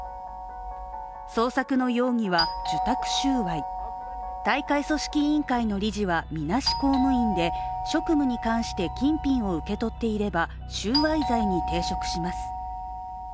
捜索の容疑は、受託収賄大会組織委員会の理事はみなし公務員で職務に関して金品を受け取っていれば収賄罪に抵触します。